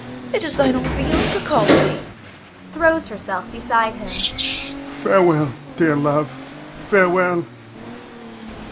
It is thine own Bianca calls thee! [Throws herself beside him.] Adel. Farewell, dear love, farewell!